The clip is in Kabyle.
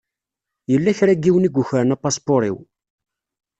Yella kra n yiwen i yukren apaspuṛ-iw.